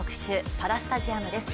パラスタジアムです。